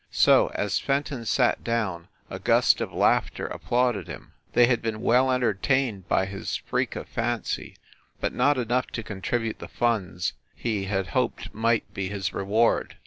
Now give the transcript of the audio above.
So, as Fenton sat down, a gust of laughter applauded him. They had been well en tertained by his freak of fancy, but not enough to contribute the funds he had hoped might be his re ward.